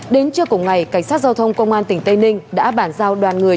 đến trưa cùng ngày cảnh sát giao thông công an tỉnh tây ninh đã bản giao đoàn người